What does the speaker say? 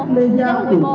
rất là quy mô